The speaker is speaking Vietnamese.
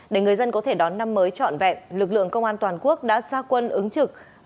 để người dân có thể đón năm mới trọn vẹn lực lượng công an toàn quốc đã ra quân ứng trực